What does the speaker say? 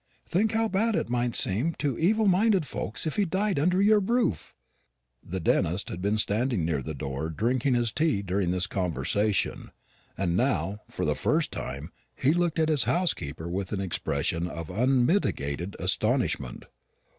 Think how bad it might seem to evil minded folks if he died under your roof." The dentist had been standing near the door drinking his tea during this conversation; and now for the first time he looked at his housekeeper with an expression of unmitigated astonishment.